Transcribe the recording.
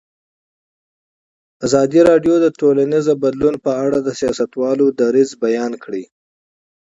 ازادي راډیو د ټولنیز بدلون په اړه د سیاستوالو دریځ بیان کړی.